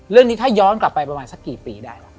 เรื่องนี้ถ้าย้อนกลับไปประมาณสักกี่ปีได้ว่ะ